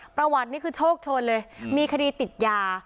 ประวัตินี่คือโชคโชนเลยมีคดีติดยา